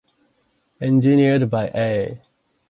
Engineered by A.